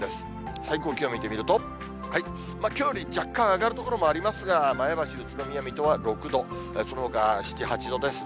最高気温見てみると、きょうより若干上がる所もありますが、前橋、宇都宮、水戸は６度、そのほか７、８度ですね。